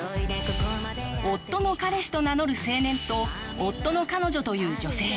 夫の彼氏と名乗る青年と夫の彼女という女性。